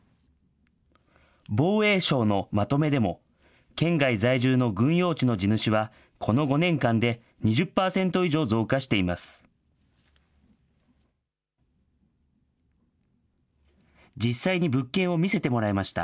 防衛省のまとめでも、県外在住の軍用地の地主は、この５年間で２０％以上増加しています。